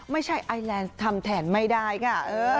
ไอแลนด์ทำแทนไม่ได้ค่ะ